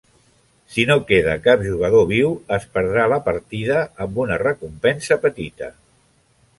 Si no queda cap jugador viu, es perdrà la partida, amb una recompensa petita.